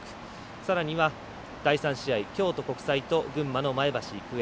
さらには第３試合京都国際と群馬の前橋育英。